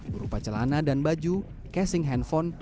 berupa celana dan baju casing handphone